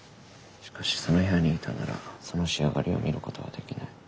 しかしその部屋にいたならその仕上りを見ることはできない。